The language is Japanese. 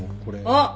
あっ！